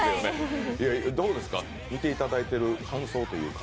どうですか、来ていただいている感想というのは？